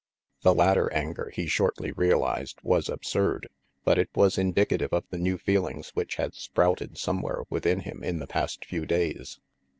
The latter anger, he shortly realized, was absurd. But it was indicative of the new feelings which had sprouted somewhere within him in the past few days.